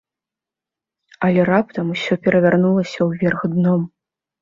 Але раптам усё перавярнулася ўверх дном.